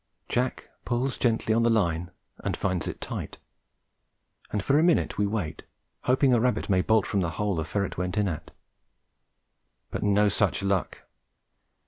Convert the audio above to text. Jack pulls gently on the line and finds it tight, and for a minute we wait, hoping a rabbit may bolt from the hole the ferret went in at. But no such luck.